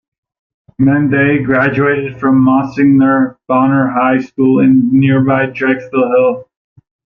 Mendte graduated from Monsignor Bonner High School in nearby Drexel Hill.